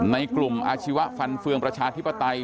ในกลุ่มอาชีวะฟันเฟืองประชาธิปไตย